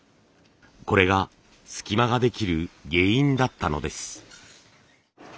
これが隙間ができる原因だったのです。